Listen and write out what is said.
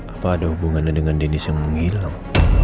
apa ada hubungannya dengan dennis yang menghilang